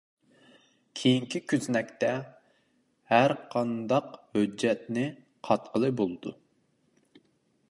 كېيىكى كۆزنەكتە ھەر قانداق ھۆججەتنى قاتقىلى بولىدۇ.